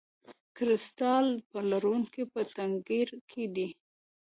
کریستال پلورونکی په تنګیر کې دی.